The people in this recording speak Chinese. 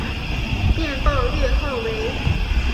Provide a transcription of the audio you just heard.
电报略号为。